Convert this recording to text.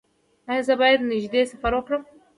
ایا زه باید نږدې سفر وکړم؟